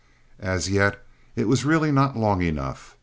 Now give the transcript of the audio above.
As yet it was really not long enough.